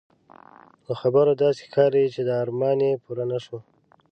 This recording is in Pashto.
له خبرو داسې ښکاري چې دا ارمان یې پوره نه شو.